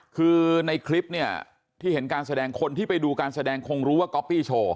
คือในคลิปเนี่ยที่เห็นการแสดงคนที่ไปดูการแสดงคงรู้ว่าก๊อปปี้โชว์